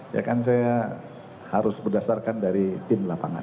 ya kan saya harus berdasarkan dari tim lapangan